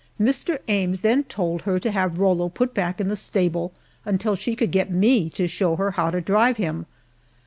Mr. Ames then told her to have Rollo put back in the stable until she could get me to show her how to drive him.